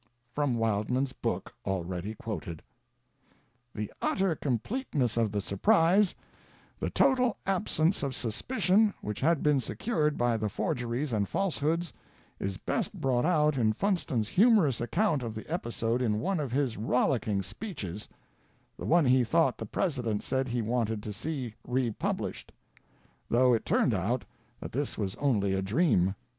— From Wild man's book, already quoted. The utter completeness of the surprise, the total absence of suspicion which had been secured by the forgeries and falsehoods, is best brought out in Funston's humorous account of the episode in one of his rollicking speeches — the one he thought the Presi dent said he wanted to see republished ; though it turned out that this was only a dream.